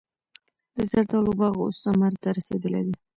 د زردالو باغ اوس ثمر ته رسېدلی دی.